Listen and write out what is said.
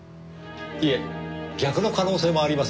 いえ逆の可能性もありますからねぇ。